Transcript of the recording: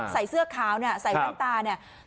ใส่เสื้อขาวใส่ว้านตาเนี่ย